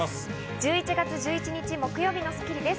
１１月１１日、木曜日の『スッキリ』です。